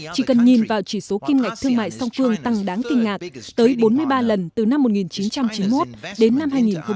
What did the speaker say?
chỉ cần nhìn vào chỉ số kim ngạch thương mại song phương tăng đáng kinh ngạt tới bốn mươi ba lần từ năm một nghìn chín trăm chín mươi một đến năm hai nghìn một mươi năm